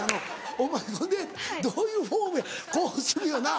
お前ほんでどういうフォームやこうするよな？